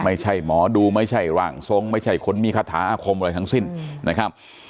ไม่ใช่หมอดูไม่ใช่ร่างทรงไม่ใช่คนมีคาถาอาคมอะไรทั้งสิ้นนะครับ